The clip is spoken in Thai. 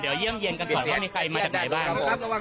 เดี๋ยวเยี่ยมเย็นกันก่อนว่ามีใครมาจากไหนบ้าง